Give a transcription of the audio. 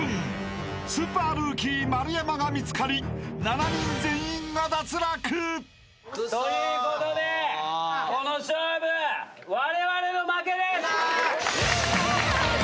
スーパールーキー丸山が見つかり７人全員が脱落！］ということでこの勝負われわれの負けです！